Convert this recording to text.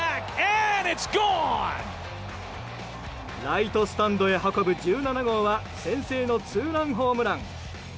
ライトスタンドへ運ぶ１７号は先制のツーランホームラン。